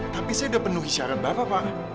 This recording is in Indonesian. tapi saya udah penuhi syarat bapak pak